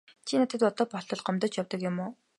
Чи надад одоо болтол гомдож явдаг юм уу?